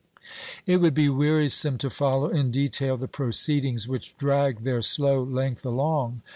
^ It would be wearisome to follow in detail the proceedings which dragged their slow length along.